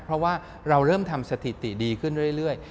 เพราะว่าเราเริ่มทำสถิติดีขึ้นเรื่อย